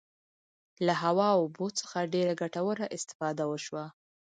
له هوا او اوبو څخه ډیره ګټوره استفاده وشوه.